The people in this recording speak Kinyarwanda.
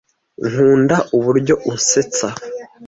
Nkunda uburyo unsetsa.